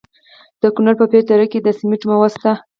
د کونړ په پیچ دره کې د سمنټو مواد شته.